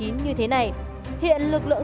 như thế này hiện lực lượng